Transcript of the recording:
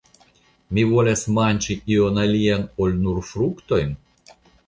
Mi volas manĝi ion alian ol nur fruktojn?